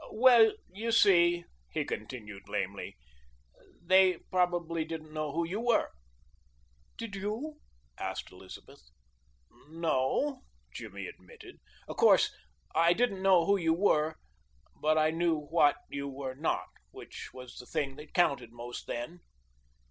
"Well, you see," he continued lamely, "they probably didn't know who you were." "Did you?" asked Elizabeth. "No," Jimmy admitted, "of course, I didn't know who you were, but I knew what you were not, which was the thing that counted most then."